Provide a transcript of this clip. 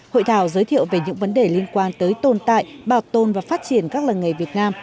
hội thảo giới thiệu về những vấn đề liên quan tới tồn tại bảo tồn và phát triển các làng nghề việt nam